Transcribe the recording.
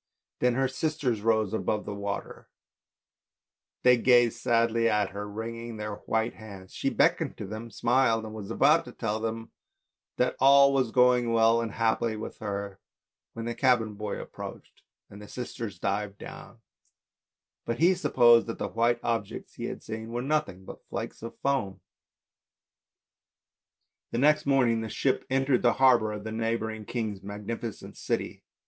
Then her sisters rose above the water, they gazed sadly at her, wringing their white hands; she beckoned to them, smiled, and was about to tell them that all was going well and happily with her, when the cabin boy approached, and the sisters dived down, but he supposed that the white objects he had seen were nothing but flakes of foam. The next morning the ship entered the harbour of the neigh bouring king's magnificent city.